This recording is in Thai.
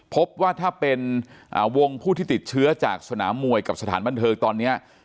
พบว่าถ้าเป็นวงผู้ที่ติดเชื้อจากสนามมวยกับสถานบันเทิงตอนนี้